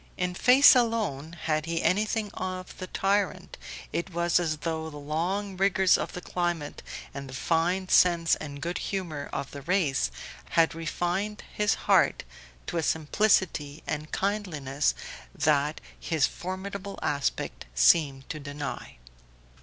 In face alone had he anything of the tyrant; it was as though the long rigours of the climate and the fine sense and good humour of the race had refined his heart to a simplicity and kindliness that his formidable aspect seemed to deny.